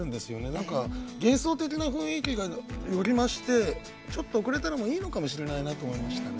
なんか幻想的な雰囲気がより増してちょっと遅れたのもいいのかもしれないなと思いましたね。